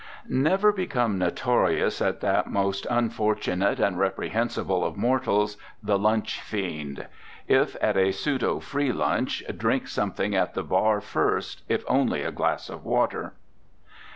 Never become notorious as that most unfortunate and reprehensible of mortals the Lunch Fiend. If at a pseudo free lunch, drink something at the bar first, if only a glass of water.